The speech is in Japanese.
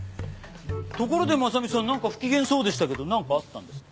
ところで真実さんなんか不機嫌そうでしたけどなんかあったんですか？